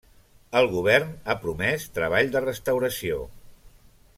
El govern ha promès treball de restauració.